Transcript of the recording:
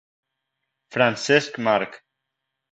Francesc Marc